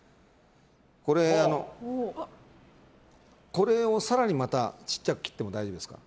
これを更にまた小さく切っても大丈夫ですか。